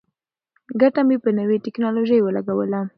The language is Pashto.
ګټه مې په نوې ټیکنالوژۍ ولګوله.